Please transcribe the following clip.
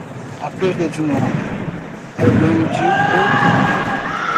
A perda de um homem? é o ganho de outro homem.